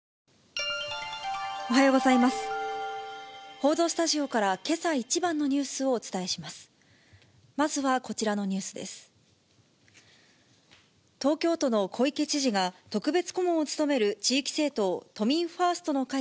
報道スタジオからけさ一番のニュースをお伝えします。